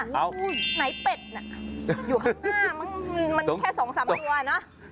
๖ไหนเป็ดอยู่ข้างหน้ามันแค่๒มือด้วยเนี่ย